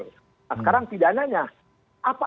nah sekarang tidak nanya apa